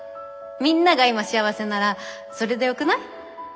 みんなが今幸せならそれでよくない？